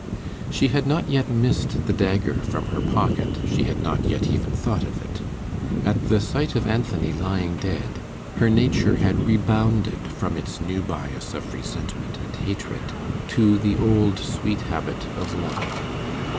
She had not yet missed the dagger from her pocket; she had not yet even thought of it. At the sight of Anthony lying dead, her nature had rebounded from its new bias of resentment and hatred to the old sweet habit of love.